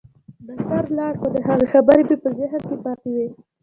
ډاکتر ولاړ خو د هغه خبرې مې په ذهن کښې پاتې وې.